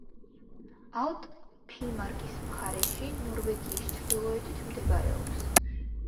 ალტა ფინმარკის მხარეში, ნორვეგიის ჩრდილოეთით მდებარეობს.